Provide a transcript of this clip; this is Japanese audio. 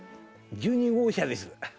１２号車です。